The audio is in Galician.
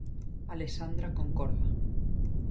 Alexandra concorda.